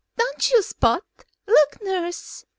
Don't you, Spot? Look, nurse.